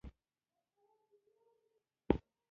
توپونه یې په سیند کې ډوب شول.